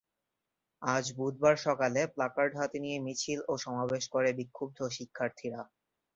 আজ বুধবার সকালে প্ল্যাকার্ড হাতে নিয়ে মিছিল ও সমাবেশ করে বিক্ষুব্ধ শিক্ষার্থীরা।